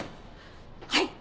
はい！